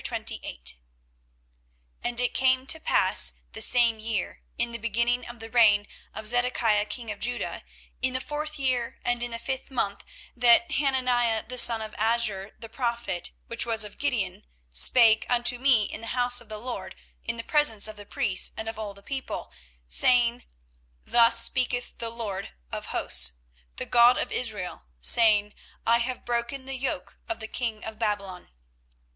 24:028:001 And it came to pass the same year, in the beginning of the reign of Zedekiah king of Judah, in the fourth year, and in the fifth month, that Hananiah the son of Azur the prophet, which was of Gibeon, spake unto me in the house of the LORD, in the presence of the priests and of all the people, saying, 24:028:002 Thus speaketh the LORD of hosts, the God of Israel, saying, I have broken the yoke of the king of Babylon.